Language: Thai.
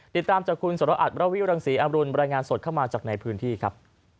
ติดตามจากคุณสรอัตรวิรังศรีอำรุณรายงานสดเข้ามาจากในพื้นที่ครับ